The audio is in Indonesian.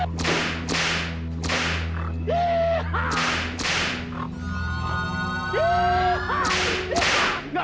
kamu menjadi asistenku